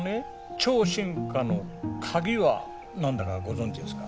超進化のカギは何だかご存じですか？